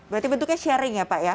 berarti bentuknya sharing ya pak ya